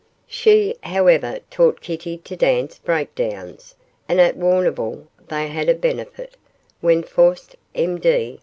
She, however, taught Kitty to dance breakdowns, and at Warrnambool they had a benefit, when 'Faust, M.D.